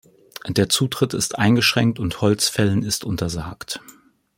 Der Zutritt ist eingeschränkt und Holzfällen ist untersagt.